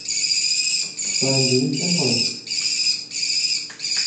Seien Sie nicht enttäuscht.